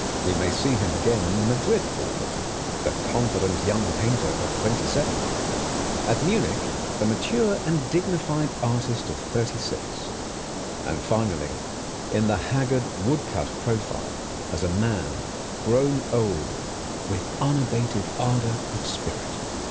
We may see him again in the Madrid portrait, the confident young painter of twenty seven; at Munich, the mature and dignified artist of thirty six; and finally, in the haggard woodcut profile, as a man grown old with unabated ardor of spirit.